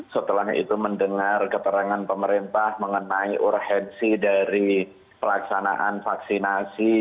setelah itu mendengar keterangan pemerintah mengenai urgensi dari pelaksanaan vaksinasi